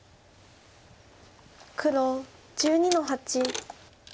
黒１２の八。